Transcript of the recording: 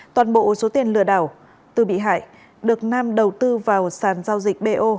toàn bộ số tiền lừa đảo từ bị hại được nam đầu tư vào sàn giao dịch bo